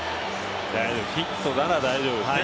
大丈夫、ヒットなら大丈夫ですね